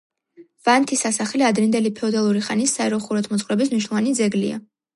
ვანთის სასახლე ადრინდელი ფეოდალური ხანის საერო ხუროთმოძღვრების მნიშვნელოვანი ძეგლია.